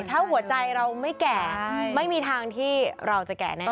ถ้าหัวใจเราไม่แก่ไม่มีทางที่เราจะแก่แน่